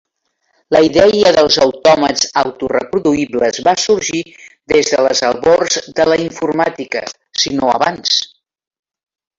La idea dels autòmats autoreproduïbles va sorgir des de les albors de la informàtica, si no abans.